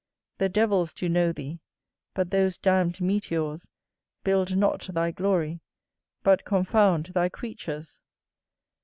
The devils do know thee; but those damn'd meteors Build not thy glory, but confound thy creatures.